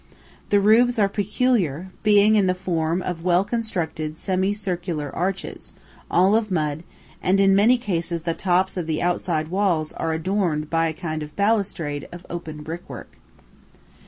The roofs are peculiar, being in the form of well constructed semicircular arches, all of mud, and in many cases the tops of the outside walls are adorned by a kind of balustrade of open brickwork.